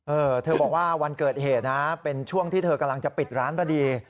เออเธอบอกว่าวันเกิดเหตุนะเป็นช่วงที่เธอกำลังจะปิดร้านพอดี